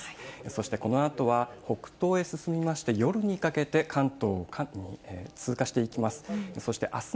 そしてこのあとは北東へ進みまして、夜にかけて関東を通過していきます。